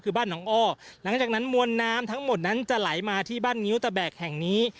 คือบ้านน้องอ้อหลังจากนั้นมวลน้ำทั้งหมดนั้นจะไหลมาที่บ้านงิ้วตะแบกแห่งนี้